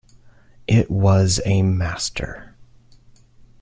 It was a master.